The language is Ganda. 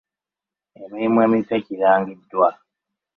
Emirimu emipya girangiddwa.